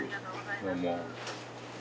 どうも。